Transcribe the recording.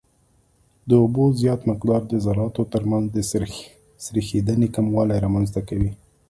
د اوبو زیات مقدار د ذراتو ترمنځ د سریښېدنې کموالی رامنځته کوي